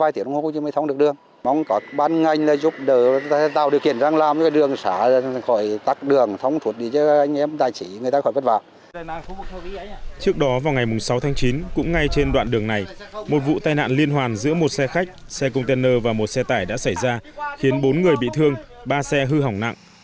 trước đó vào ngày sáu tháng chín cũng ngay trên đoạn đường này một vụ tai nạn liên hoàn giữa một xe khách xe container và một xe tải đã xảy ra khiến bốn người bị thương ba xe hư hỏng nặng